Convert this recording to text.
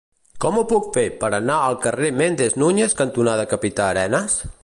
Com ho puc fer per anar al carrer Méndez Núñez cantonada Capità Arenas?